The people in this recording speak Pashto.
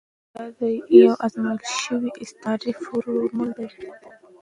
دا یو ازمویل شوی استعماري فورمول دی.